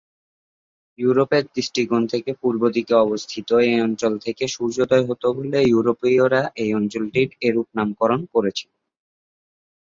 ইউরোপের দৃষ্টিকোণ থেকে পূর্বদিকে অবস্থিত এই অঞ্চল থেকে সূর্যোদয় হত বলে ইউরোপীয়রা এই অঞ্চলটির এরূপ নামকরণ করেছিল।